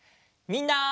みんな！